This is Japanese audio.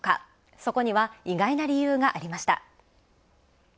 そこには意外な理由がありました。